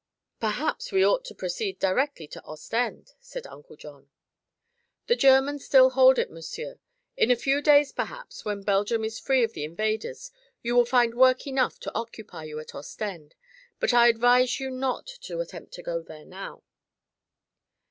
'" "Perhaps we ought to proceed directly to Ostend," said Uncle John. "The Germans still hold it, monsieur. In a few days, perhaps, when Belgium is free of the invaders, you will find work enough to occupy you at Ostend; but I advise you not to attempt to go there now."